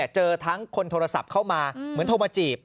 เจอทั้งคนโทรศัพท์เข้ามาเหมือนโทรมาจีบ